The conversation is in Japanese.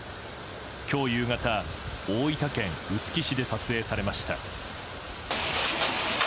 今日夕方、大分県臼杵市で撮影されました。